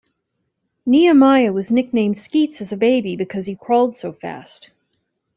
Nehemiah was nicknamed "Skeets" as a baby because he crawled so fast.